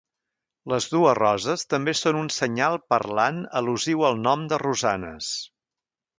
Les dues roses també són un senyal parlant al·lusiu al nom de Rosanes.